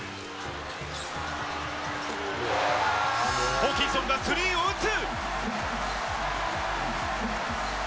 ホーキンソンがスリーを打つ！